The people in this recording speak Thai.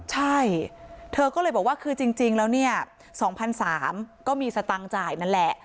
ใช่เธอก็เลยบอกว่าคือจริงจริงแล้วเนี้ยสองพันสามก็มีสตางค์จ่ายนั่นแหละ